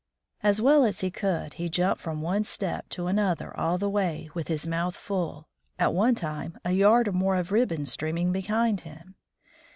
As well as he could, he jumped from one step to another all the way, with his mouth full, at one time a yard or more of ribbon streaming behind him.